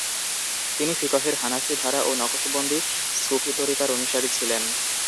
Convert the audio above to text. তিনি ফিকহের হানাফি ধারা ও নকশবন্দি সুফি তরিকার অনুসারী ছিলেন।